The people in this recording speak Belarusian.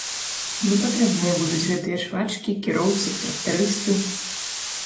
Не патрэбныя будуць гэтыя швачкі, кіроўцы, трактарысты.